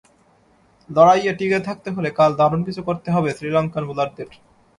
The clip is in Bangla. লড়াইয়ে টিকে থাকতে হলে কাল দারুণ কিছু করতে হতো শ্রীলঙ্কান বোলারদের।